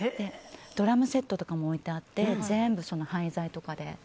ドラムセットとかも置いてあって全部、廃材とかで。